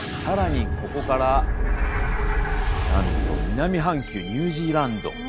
更にここからなんと南半球ニュージーランド。